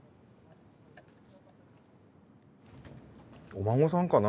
お孫さんかな？